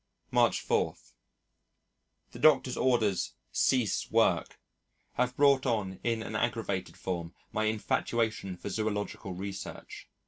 March 4. ... The Doctor's orders "Cease Work" have brought on in an aggravated form my infatuation for zoological research.